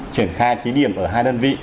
triển khai thí điểm ở hai đơn vị